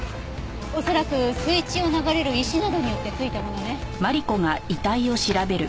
恐らく水中を流れる石などによってついたものね。